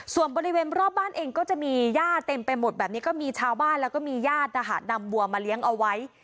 ส่วนบริเวณรอบบ้านเองก็จะมีย่าเต็มไปหมดแบบนี้ก็มีชาวบ้านแล้วก็มีญาตินะคะนำวัวมาเลี้ยงเอาไว้